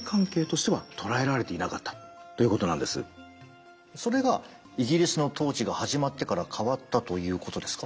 なのでそれがイギリスの統治が始まってから変わったということですか？